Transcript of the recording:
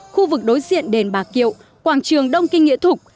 khu vực đối diện đền bà kiệu quảng trường đông kinh nghĩa thục